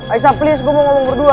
aisyah please gue mau ngomong berdua